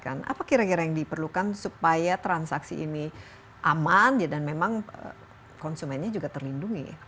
apa kira kira yang diperlukan supaya transaksi ini aman dan memang konsumennya juga terlindungi